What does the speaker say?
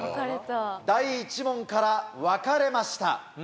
第１問から分かれました。